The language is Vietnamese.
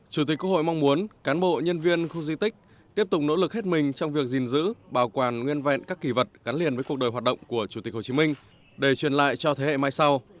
chủ tịch quốc hội mong muốn cán bộ nhân viên khu di tích tiếp tục nỗ lực hết mình trong việc gìn giữ bảo quản nguyên vẹn các kỳ vật gắn liền với cuộc đời hoạt động của chủ tịch hồ chí minh để truyền lại cho thế hệ mai sau